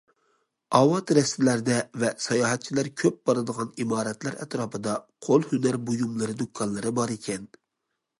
ئاۋات رەستىلەردە ۋە ساياھەتچىلەر كۆپ بارىدىغان ئىمارەتلەر ئەتراپىدا قول ھۈنەر بۇيۇملىرى دۇكانلىرى باركەن.